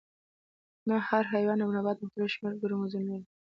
نه هر حیوان او نبات مختلف شمیر کروموزومونه لري